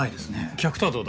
客とはどうだ？